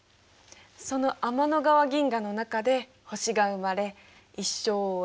その天の川銀河の中で星が生まれ一生を終える。